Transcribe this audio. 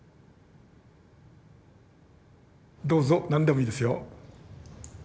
どうぞ何でもいいですよ。